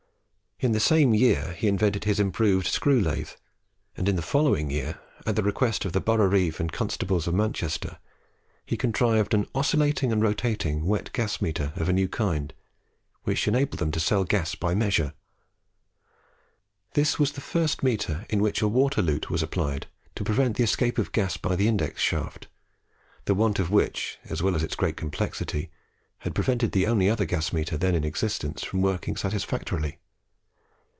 In the same year he invented his improved screw lathe; and in the following year, at the request of the boroughreeve and constables of Manchester, he contrived an oscillating and rotating wet gas meter of a new kind, which enabled them to sell gas by measure. This was the first meter in which a water lute was applied to prevent the escape of gas by the index shaft, the want of which, as well as its great complexity, had prevented the only other gas meter then in existence from working satisfactorily.